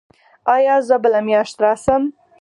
ایا زه بله میاشت راشم؟